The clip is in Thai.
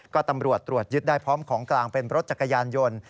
ก็ตำรวจตรวจยึดได้พร้อมของกลางเป็นรถจักรยานยนต์